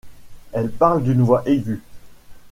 Elle parle d'une voix aigüe.